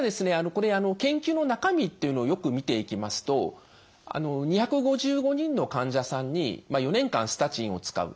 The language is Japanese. これ研究の中身というのをよく見ていきますと２５５人の患者さんに４年間スタチンを使う。